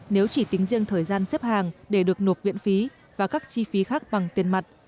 nếu chỉ tính riêng thời gian xếp hàng để được nộp viện phí và các chi phí khác bằng tiền mặt